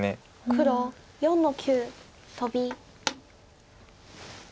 黒４の九トビ。